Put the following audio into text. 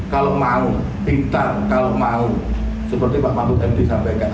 kalau mau pintar kalau mau seperti pak mahfud md sampaikan